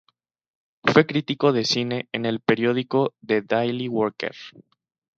Fue crítico de cine en el periódico "The Daily Worker".